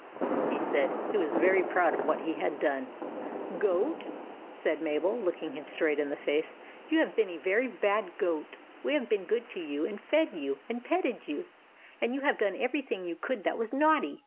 he said. He was very proud of what he had done. " Goat," said Mabel, looking him straight in the face, " you have been a very bad goat. We have been good to you, and fed you, and petted you, and you have done everything you could that was naughty.